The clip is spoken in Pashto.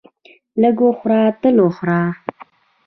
لږ خوره تل خوره!